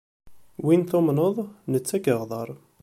Win tumneḍ, netta a k-iɣder.